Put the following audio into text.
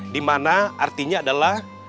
dimana artinya adalah